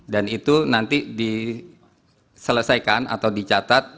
dan itu nanti diselesaikan atau dicatat